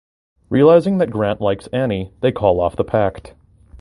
Realizing that Grant likes Annie they call off the pact.